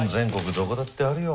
どこだってあるよ。